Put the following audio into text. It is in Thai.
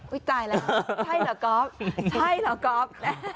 ตายแล้วใช่เหรอก๊อฟใช่เหรอก๊อฟ